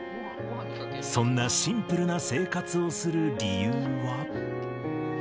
そんなシンプルな生活をする理由は。